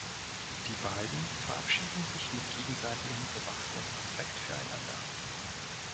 Die beiden verabschieden sich mit gegenseitigem gewachsenen Respekt füreinander.